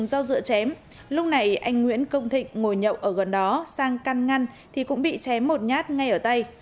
do dựa chém lúc này anh nguyễn công thịnh ngồi nhậu ở gần đó sang căn ngăn thì cũng bị chém một nhát ngay ở tay